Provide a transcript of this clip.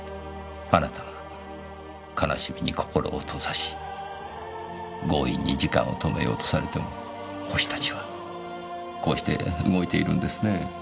あなたが悲しみに心を閉ざし強引に時間を止めようとされても星たちはこうして動いているんですね。